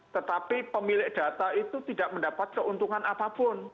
tetapi pemilik data itu tidak mendapat keuntungan apapun